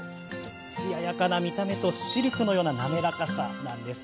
つややかな見た目とシルクのような滑らかさ。